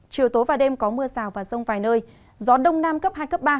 chiều tối và đêm có mưa rào và rông vài nơi gió đông nam cấp hai cấp ba